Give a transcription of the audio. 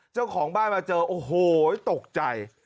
เจ้าของบ้านมาเจอโอ้โหตกใจ